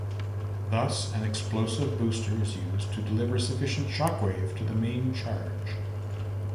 Thus, an explosive booster is used to deliver sufficient shockwave to the main charge.